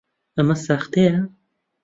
ئەمە ساختەیە؟